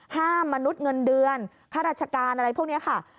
มนุษย์เงินเดือนค่าราชการอะไรพวกนี้ค่ะ